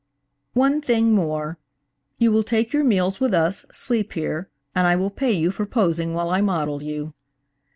"One thing more." "You will take your meals with us, sleep here, and I will pay you for posing while I model you."